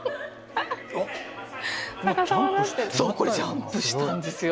そうこれジャンプしたんですよ。